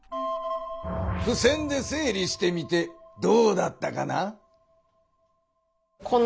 ふせんで整理してみてどうだったかな？